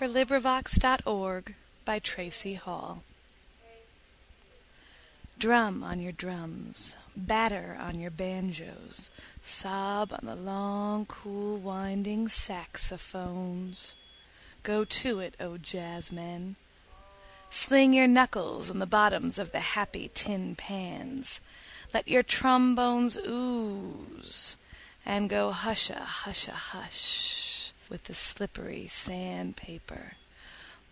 Broken Face Gargoyles 6. Jazz Fantasia DRUM on your drums, batter on your banjoes, sob on the long cool winding saxophones. Go to it, O jazzmen. Sling your knuckles on the bottoms of the happy tin pans, let your trombones ooze, and go hushahusha hush with the slippery sand paper.